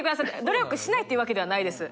努力しないっていうわけではないです。